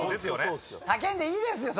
叫んでいいですよ